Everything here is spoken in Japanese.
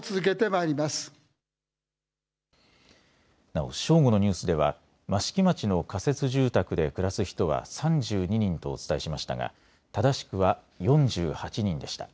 なお正午のニュースでは益城町の仮設住宅で暮らす人は３２人とお伝えしましたが正しくは、４８人でした。